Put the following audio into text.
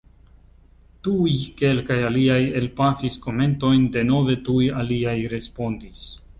Tuj kelkaj aliaj elpafis komentojn, denove tuj aliaj respondis.